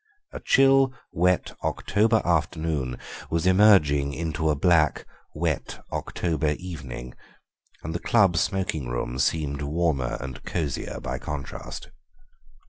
A chill, wet October afternoon was merging into a bleak, wet October evening, and the club smoking room seemed warmer and cosier by contrast.